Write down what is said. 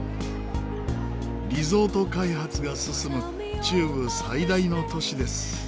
リゾート開発が進む中部最大の都市です。